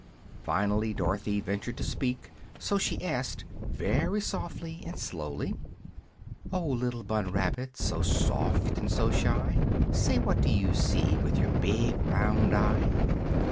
Finally Dorothy ventured to speak, so she asked, very softly and slowly, "Oh, Little Bun Rabbit, so soft and so shy, Say, what do you see with your big, round eye?"